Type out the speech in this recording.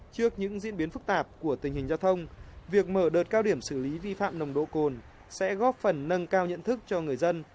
trước những diễn biến phức tạp của tình hình giao thông việc mở đợt cao điểm xử lý vi phạm nồng độ cồn sẽ góp phần nâng cao nhận thức cho người dân